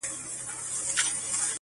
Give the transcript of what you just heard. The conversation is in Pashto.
د سر په سترگو چي هغه وينمه.